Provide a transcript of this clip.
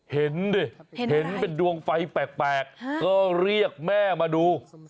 เห็นดิเห็นเป็นดวงไฟแปลกก็เรียกแม่มาดู